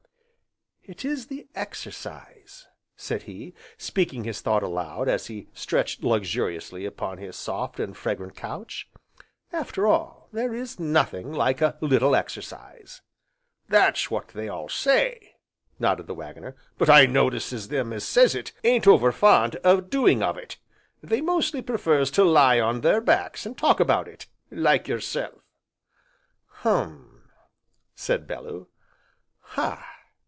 "It's the exercise," said he, speaking his thought aloud, as he stretched luxuriously upon his soft, and fragrant couch, "after all, there is nothing like a little exercise." "That's what they all say!" nodded the Waggoner. "But I notice as them as says it, ain't over fond o' doing of it, they mostly prefers to lie on their backs, an' talk about it, like yourself." "Hum!" said Bellew, "ha!